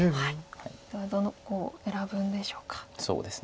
ではどこを選ぶんでしょうか。